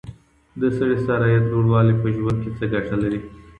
د سړي سر عايد لوړوالی په ژوند کي څه ګټې لري؟